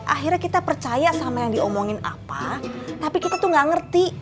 akhirnya kita percaya sama yang diomongin apa tapi kita tuh gak ngerti